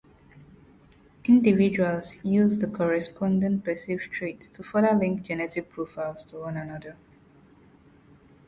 Individuals use the corresponding perceived traits to further link genetic profiles to one another.